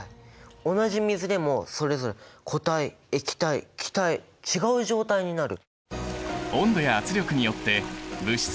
同じ水でもそれぞれ固体液体気体違う状態になる。